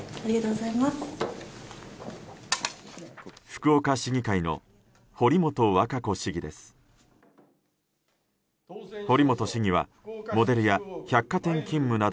福岡市議会の堀本和歌子市議です。